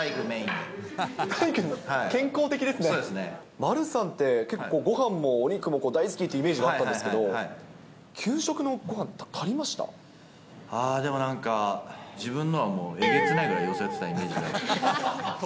丸さんって結構ごはんもお肉も大好きってイメージがあったんですけど、給食のごはん、足りまあー、でもなんか、自分のはもう、えげつないぐらいよそってたイメージがある。